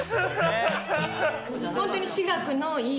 ホントに。